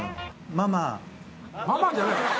ママじゃないよ！